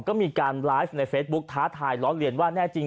ก็มีการไลฟ์ในเฟซบุ๊คท้าทายล้อเลียนว่าแน่จริง